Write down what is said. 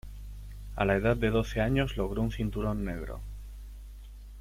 A la edad de doce años, logró un cinturón negro.